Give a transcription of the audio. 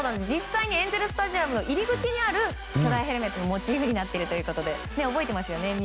実際にエンゼル・スタジアムの入り口にある巨大ヘルメットがモチーフになっているということで。